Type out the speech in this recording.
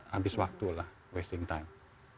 habis waktulah wasting time